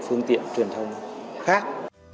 phương tiện truyền thông khác